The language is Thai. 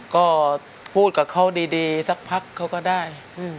ก็พูดกับเขาดีสักพักเขาก็ได้